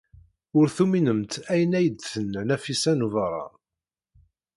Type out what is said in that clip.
Ur tuminemt ayen ay d-tenna Nafisa n Ubeṛṛan.